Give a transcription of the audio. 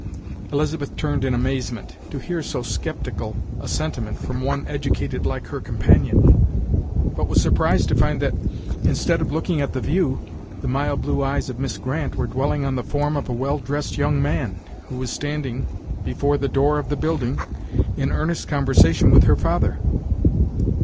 Elizabeth turned in amazement, to hear so skeptical a sentiment from one educated like her companion; but was surprised to find that, instead of looking at the view, the mild blue eyes of Miss Grant were dwelling on the form of a well dressed young man, who was standing before the door of the building, in earnest conversation with her father.